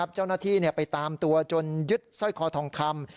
เจ้าหน้าที่ไปตามตัวจนยึดสร้อยคอทองคำ